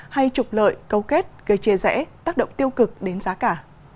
hay trục lợi cấu kết gây chia rẽ tác động tiêu cực đến giá cả